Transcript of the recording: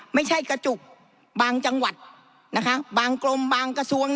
ไม่ใช่กระจุกบางจังหวัดนะคะบางกรมบางกระทรวง